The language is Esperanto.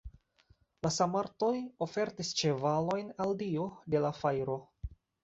La sarmatoj ofertis ĉevalojn al dio de la fajro.